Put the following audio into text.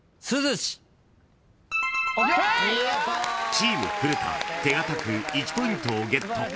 ［チーム古田手堅く１ポイントをゲット］